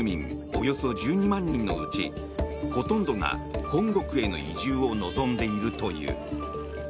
およそ１２万人のうちほとんどが本国への移住を望んでいるという。